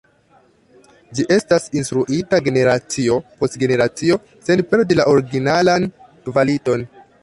Ĝi estas instruita generacio post generacio sen perdi la originalan kvaliton.